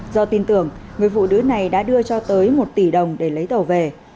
do tin tưởng người phụ nữ này đã đưa cho tới một tỷ đồng để lấy tàu về